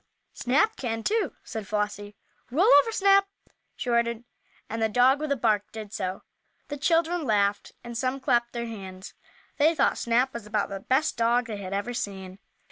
"Snap can, too," said Flossie. "Roll over, Snap!" she ordered, and the dog, with a bark, did so. The children laughed and some clapped their hands. They thought Snap was about the best dog they had ever seen.